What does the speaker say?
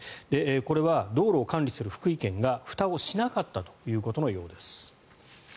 これは道路を管理する福井県がふたをしなかったということのようです。